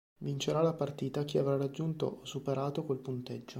Vincerà la Partita chi avrà raggiunto o superato quel punteggio.